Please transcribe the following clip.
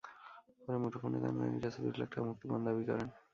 পরে মুঠোফোনে তার নানির কাছে দুই লাখ টাকা মুক্তিপণ দাবি করেন।